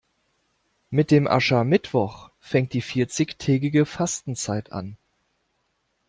Mit dem Aschermittwoch fängt die vierzigtägige Fastenzeit an.